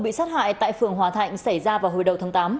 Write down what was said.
bị sát hại tại phường hòa thạnh xảy ra vào hồi đầu tháng tám